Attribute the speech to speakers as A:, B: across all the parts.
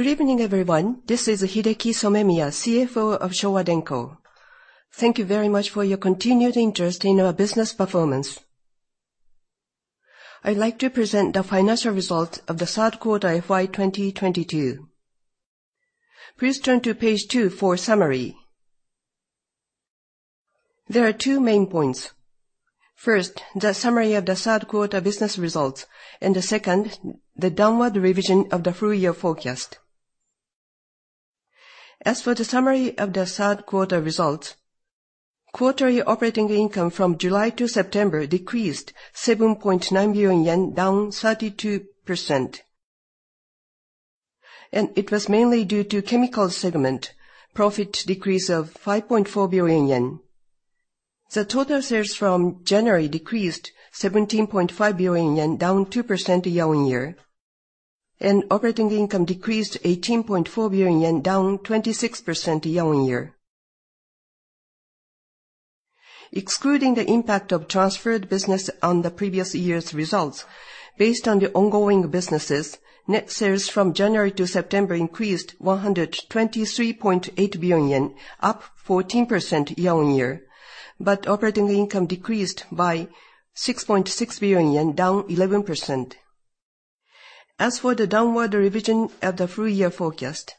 A: Good evening, everyone. This is Hideki Somemiya, CFO of Showa Denko. Thank you very much for your continued interest in our business performance. I would like to present the financial results of the third quarter FY 2022. Please turn to page two for summary. There are two main points. First, the summary of the third quarter business results, the second, the downward revision of the full-year forecast. As for the summary of the third quarter results, quarterly operating income from July to September decreased 7.9 billion yen, down 32%. It was mainly due to chemicals segment profit decrease of 5.4 billion yen. The total sales from January decreased 17.5 billion yen, down 2% year-on-year. Operating income decreased 18.4 billion yen, down 26% year-on-year. Excluding the impact of transferred business on the previous year's results, based on the ongoing businesses, net sales from January to September increased 123.8 billion yen, up 14% year-on-year. Operating income decreased by 6.6 billion yen, down 11%. As for the downward revision of the full-year forecast,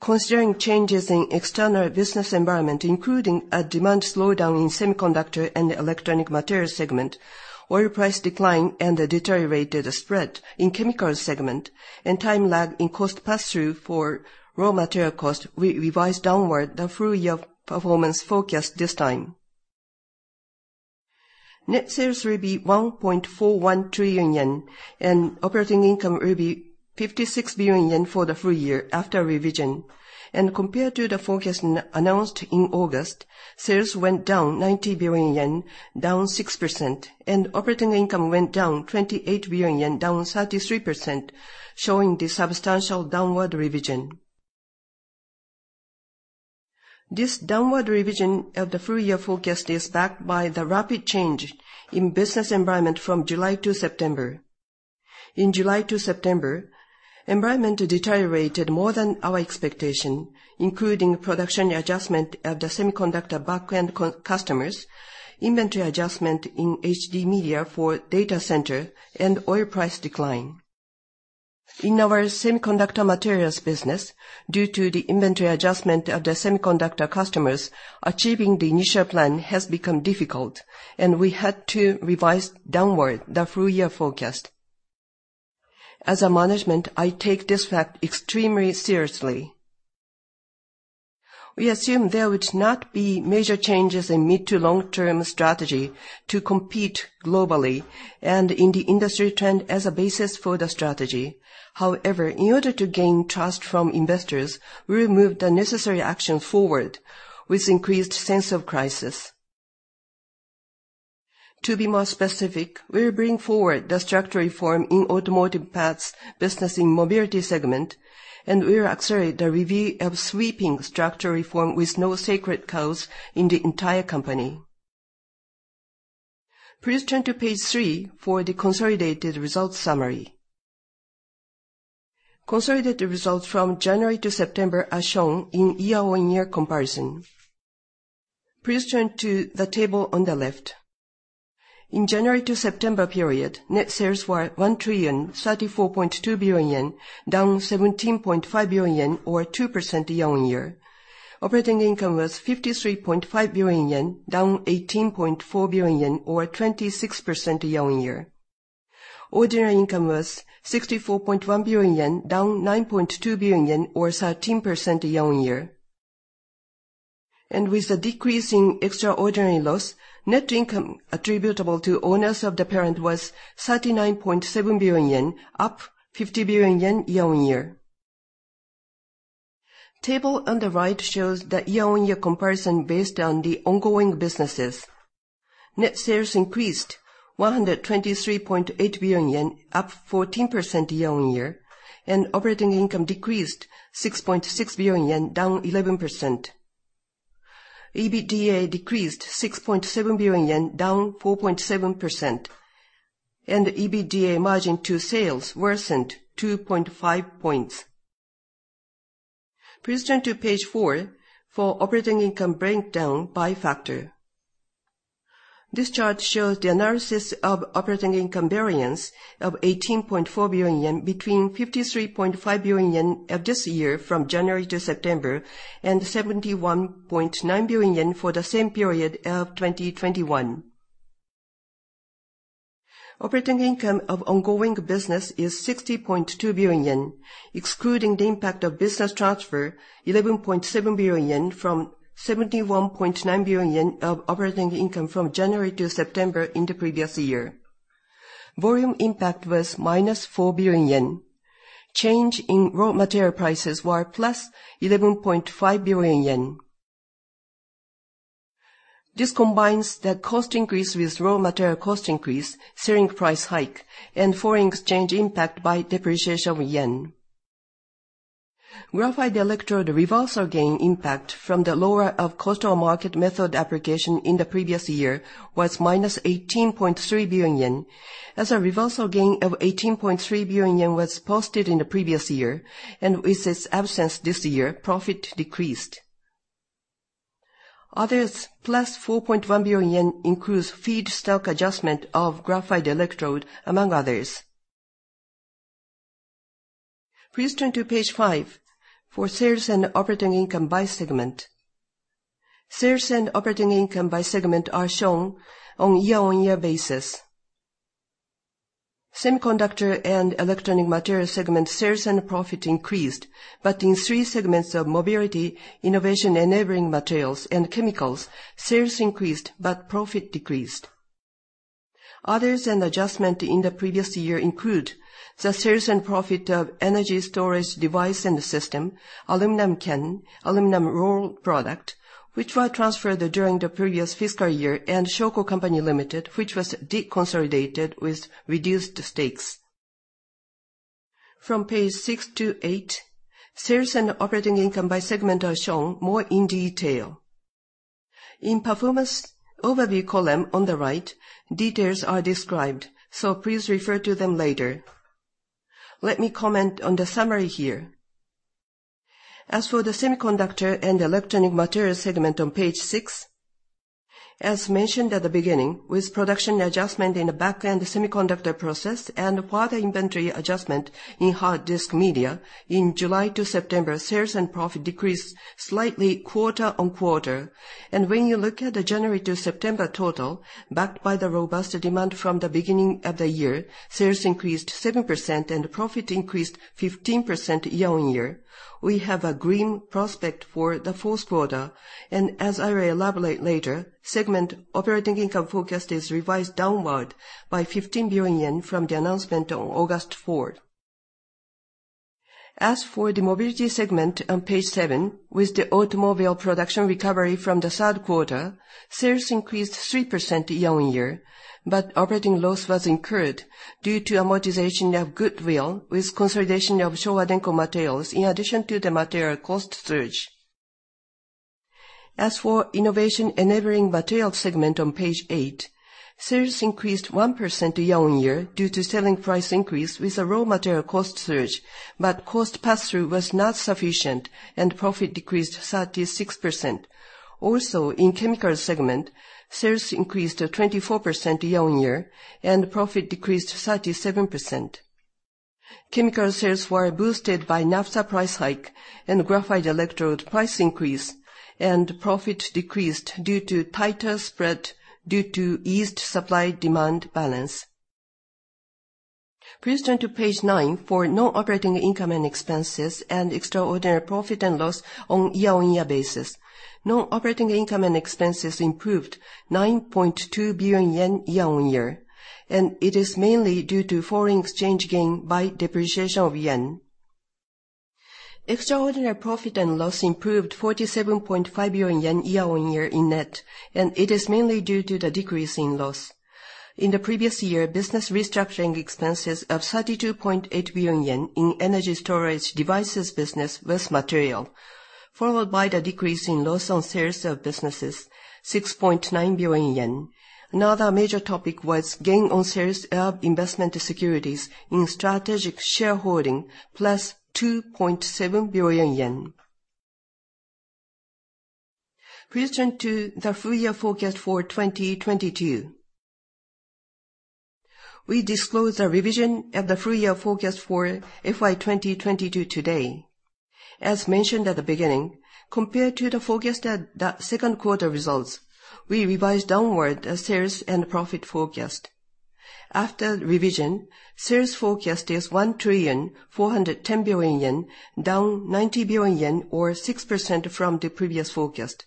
A: considering changes in external business environment, including a demand slowdown in semiconductor and electronic materials segment, oil price decline, and the deteriorated spread in chemicals segment, and time lag in cost pass-through for raw material cost, we revised downward the full-year performance forecast this time. Net sales will be 1.41 trillion yen, and operating income will be 56 billion yen for the full year after revision. Compared to the forecast announced in August, sales went down 90 billion yen, down 6%. Operating income went down 28 billion yen, down 33%, showing the substantial downward revision. This downward revision of the full-year forecast is backed by the rapid change in business environment from July to September. In July to September, environment deteriorated more than our expectation, including production adjustment of the semiconductor back-end customers, inventory adjustment in HD media for data center, and oil price decline. In our semiconductor materials business, due to the inventory adjustment of the semiconductor customers, achieving the initial plan has become difficult. We had to revise downward the full-year forecast. As management, I take this fact extremely seriously. We assume there would not be major changes in mid- to long-term strategy to compete globally and in the industry trend as a basis for the strategy. However, in order to gain trust from investors, we will move the necessary actions forward with increased sense of crisis. To be more specific, we will bring forward the structural reform in automotive parts business in mobility segment. We will accelerate the review of sweeping structural reform with no sacred cows in the entire company. Please turn to page three for the consolidated results summary. Consolidated results from January to September are shown in year-on-year comparison. Please turn to the table on the left. In January to September period, net sales were 1,034.2 billion yen, down 17.5 billion yen, or 2% year-on-year. Operating income was 53.5 billion yen, down 18.4 billion yen, or 26% year-on-year. Ordinary income was 64.1 billion yen, down 9.2 billion yen, or 13% year-on-year. With the decrease in extraordinary loss, net income attributable to owners of the parent was 39.7 billion yen, up 50 billion yen year-on-year. Table on the right shows the year-on-year comparison based on the ongoing businesses. Net sales increased 123.8 billion yen, up 14% year-on-year. Operating income decreased 6.6 billion yen, down 11%. EBITDA decreased 6.7 billion yen, down 4.7%, and the EBITDA margin to sales worsened 2.5 points. Please turn to page four for operating income breakdown by factor. This chart shows the analysis of operating income variance of 18.4 billion yen between 53.5 billion yen of this year from January to September, and 71.9 billion yen for the same period of 2021. Operating income of ongoing business is 60.2 billion yen, excluding the impact of business transfer, 11.7 billion yen from 71.9 billion yen of operating income from January to September in the previous year. Volume impact was -4 billion yen. Change in raw material prices were +11.5 billion yen. This combines the cost increase with raw material cost increase, selling price hike, and foreign exchange impact by depreciation of JPY. Graphite electrode reversal gain impact from the lower of cost or market method application in the previous year was -18.3 billion yen, as a reversal gain of 18.3 billion yen was posted in the previous year. With its absence this year, profit decreased. Others, +4.1 billion yen, includes feedstock adjustment of graphite electrode, among others. Please turn to page five for sales and operating income by segment. Sales and operating income by segment are shown on year-on-year basis. Semiconductor and electronic materials segment sales and profit increased, but in three segments of mobility, innovation-enabling materials, and chemicals, sales increased but profit decreased. Others and adjustment in the previous year include the sales and profit of energy storage device and system, aluminum can, aluminum roll product, which were transferred during the previous fiscal year, and SHOKO CO., LTD., which was deconsolidated with reduced stakes. From page six to eight, sales and operating income by segment are shown more in detail. In performance overview column on the right, details are described. Please refer to them later. Let me comment on the summary here. As for the semiconductor and electronic materials segment on page six, as mentioned at the beginning, with production adjustment in the back-end semiconductor process and further inventory adjustment in hard disk media, in July to September, sales and profit decreased slightly quarter-on-quarter. When you look at the January to September total, backed by the robust demand from the beginning of the year, sales increased 7% and profit increased 15% year-on-year. We have a green prospect for the fourth quarter. As I will elaborate later, segment operating income forecast is revised downward by 15 billion yen from the announcement on August 4th. As for the mobility segment on page seven, with the automobile production recovery from the third quarter, sales increased 3% year-on-year. Operating loss was incurred due to amortization of goodwill with consolidation of Showa Denko Materials, in addition to the material cost surge. As for innovation-enabling materials segment on page eight, sales increased 1% year-on-year due to selling price increase with a raw material cost surge. Cost pass-through was not sufficient and profit decreased 36%. In Chemicals Segment, sales increased 24% year-over-year and profit decreased 37%. Chemical sales were boosted by naphtha price hike and graphite electrode price increase, and profit decreased due to tighter spread due to eased supply-demand balance. Please turn to page nine for non-operating income and expenses and extraordinary profit and loss on year-over-year basis. Non-operating income and expenses improved 9.2 billion yen year-over-year, and it is mainly due to foreign exchange gain by depreciation of yen. Extraordinary profit and loss improved 47.5 billion yen year-over-year in net, and it is mainly due to the decrease in loss. In the previous year, business restructuring expenses of 32.8 billion yen in energy storage devices business was material, followed by the decrease in loss on sales of businesses, 6.9 billion yen. Another major topic was gain on sales of investment securities in strategic shareholding, +JPY 2.7 billion. Please turn to the full year forecast for 2022. We disclose a revision of the full year forecast for FY 2022 today. As mentioned at the beginning, compared to the forecast at the second quarter results, we revised downward the sales and profit forecast. After revision, sales forecast is 1,410 billion yen, down 90 billion yen or 6% from the previous forecast.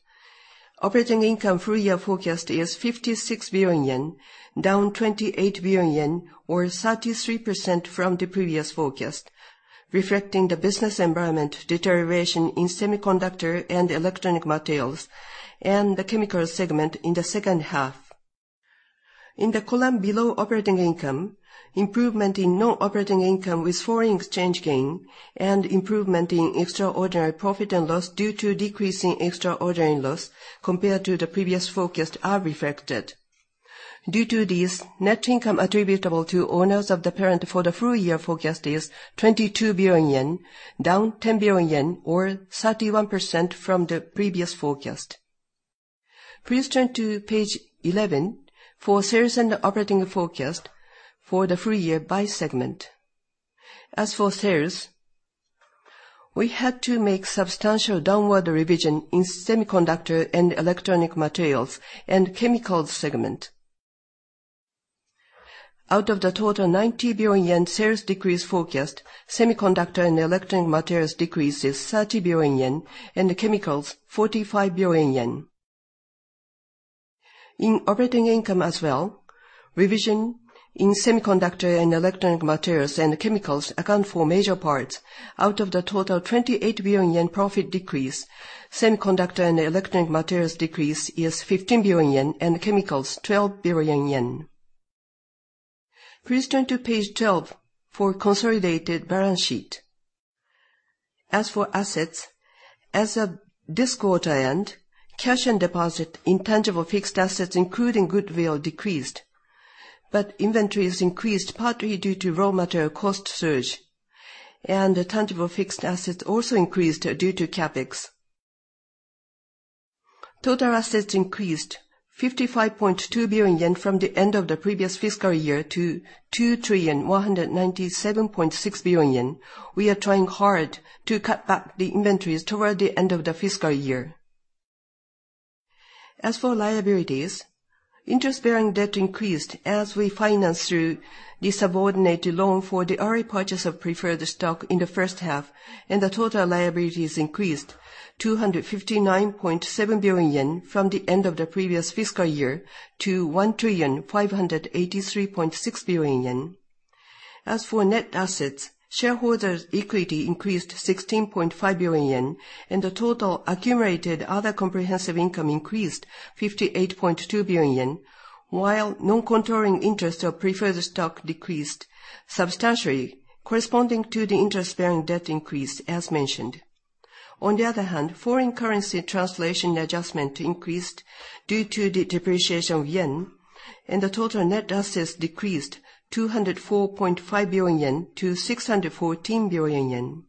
A: Operating income full year forecast is 56 billion yen, down 28 billion yen or 33% from the previous forecast, reflecting the business environment deterioration in Semiconductor and Electronic Materials and the Chemicals Segment in the second half. In the column below operating income, improvement in non-operating income with foreign exchange gain and improvement in extraordinary profit and loss due to decrease in extraordinary loss compared to the previous forecast are reflected. Due to these, net income attributable to owners of the parent for the full year forecast is 22 billion yen, down 10 billion yen or 31% from the previous forecast. Please turn to page 11 for sales and operating forecast for the full year by segment. As for sales, we had to make substantial downward revision in Semiconductor and Electronic Materials and Chemicals Segment. Out of the total 90 billion yen sales decrease forecast, Semiconductor and Electronic Materials decrease is 30 billion yen and Chemicals 45 billion yen. In operating income as well, revision in Semiconductor and Electronic Materials and Chemicals account for major parts. Out of the total 28 billion yen profit decrease, Semiconductor and Electronic Materials decrease is 15 billion yen and Chemicals 12 billion yen. Please turn to page 12 for consolidated balance sheet. As for assets, as of this quarter end, cash and deposit intangible fixed assets, including goodwill, decreased. Inventories increased partly due to raw material cost surge, and the tangible fixed assets also increased due to CapEx. Total assets increased 55.2 billion yen from the end of the previous fiscal year to 2,197.6 billion yen. We are trying hard to cut back the inventories toward the end of the fiscal year. As for liabilities, interest-bearing debt increased as we financed through the subordinated loan for the repurchase of preferred stock in the first half, the total liabilities increased 259.7 billion yen from the end of the previous fiscal year to 1,583.6 billion yen. As for net assets, shareholders' equity increased 16.5 billion yen and the total accumulated other comprehensive income increased 58.2 billion yen, while non-controlling interest of preferred stock decreased substantially corresponding to the interest-bearing debt increase as mentioned. On the other hand, foreign currency translation adjustment increased due to the depreciation of JPY, and the total net assets decreased 204.5 billion yen to 614 billion yen.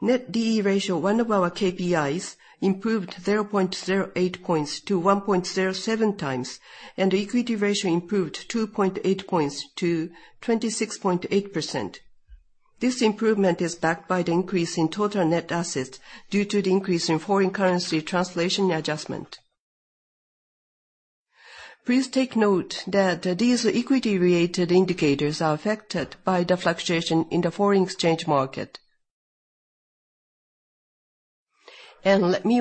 A: net D/E ratio, one of our KPIs, improved 0.08 points to 1.07 times, and the equity ratio improved 2.8 points to 26.8%. This improvement is backed by the increase in total net assets due to the increase in foreign currency translation adjustment. Please take note that these equity-related indicators are affected by the fluctuation in the foreign exchange market. Let me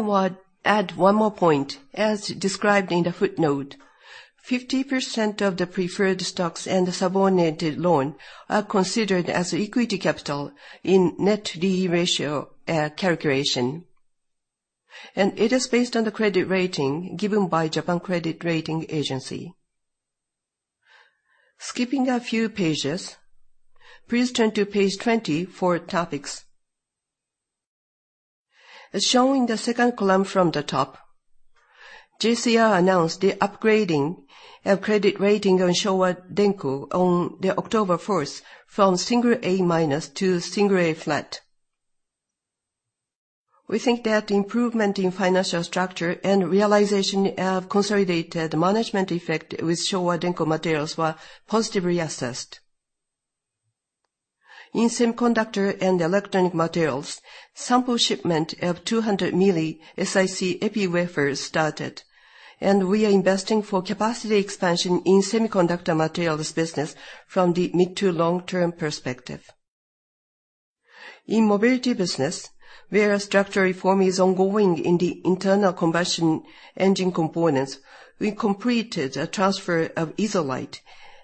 A: add one more point. As described in the footnote, 50% of the preferred stocks and subordinated loan are considered as equity capital in net D/E ratio calculation. It is based on the credit rating given by Japan Credit Rating Agency. Skipping a few pages, please turn to page 20 for topics. As shown in the second column from the top, JCR announced the upgrading of credit rating on Showa Denko on October 4th from single A minus to single A flat. We think that improvement in financial structure and realization of consolidated management effect with Showa Denko Materials were positively assessed. In semiconductor and electronic materials, sample shipment of 200 mm SiC epi-wafers started, and we are investing for capacity expansion in semiconductor materials business from the mid- to long-term perspective. In mobility business, where structure reform is ongoing in the internal combustion engine components, we completed a transfer of ISOLITE,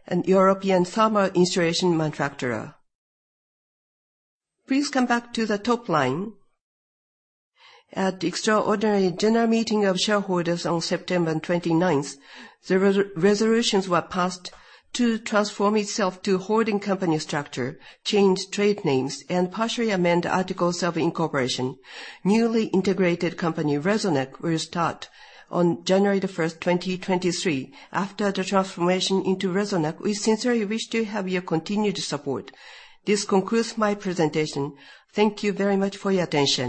A: an European thermal insulation manufacturer. Please come back to the top line. At the extraordinary general meeting of shareholders on September 29th, the resolutions were passed to transform itself to holding company structure, change trade names, and partially amend articles of incorporation. Newly integrated company, Resonac, will start on January 1st, 2023. After the transformation into Resonac, we sincerely wish to have your continued support. This concludes my presentation. Thank you very much for your attention